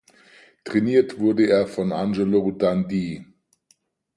Trainiert wurde er von Angelo Dundee.